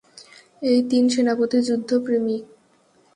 এই তিন সেনাপতি যুদ্ধ প্রেমিক।